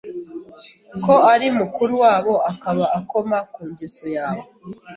ko ari mukuru wabo akaba akoma ku ngeso yawe